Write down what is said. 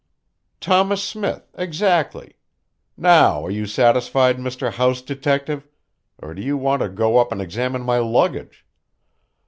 "Thomas Smith, exactly. Now are you satisfied, Mr. House Detective, or do you want to go up and examine my luggage?